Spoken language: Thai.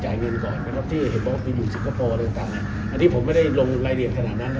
อันนี้ผมไม่ได้ลงรายละเอียดขนาดนั้น